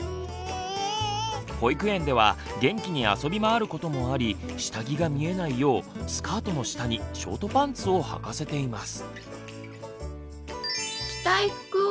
保育園では元気に遊び回ることもあり下着が見えないようスカートの下にショートパンツをはかせています。